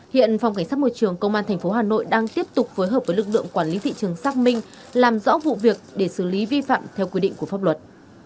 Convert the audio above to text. hiện phòng cảnh sát môi trường công an tp hà nội đang tiếp tục phối hợp với lực lượng quản lý thị trường xác minh làm rõ vụ việc để xử lý vi phạm theo quy định của pháp luật